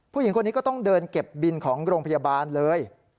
ผู้หญิงคนนี้ก็ต้องเดินเก็บบินของโรงพยาบาลเลย